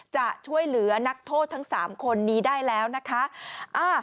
จะช่วยเหลือนักโทษทั้ง๓คนนี้ได้แล้วนะคะ